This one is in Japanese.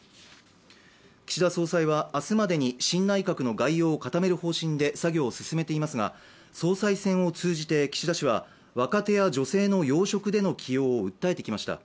岸田総裁は明日までに新内閣の概要を固める方針で作業を進めていますが、総裁選を通じて岸田氏は若手や女性の要職での起用を訴えてきました。